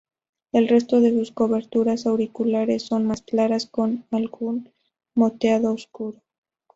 El resto de sus coberteras auriculares son más claras con algún moteado oscuro.